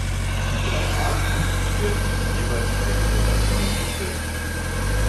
Die drei Arten werden in jeweils eigene Gattungen gestellt.